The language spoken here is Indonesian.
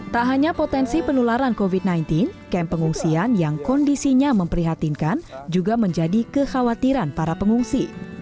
tak hanya potensi penularan covid sembilan belas kem pengungsian yang kondisinya memprihatinkan juga menjadi kekhawatiran para pengungsi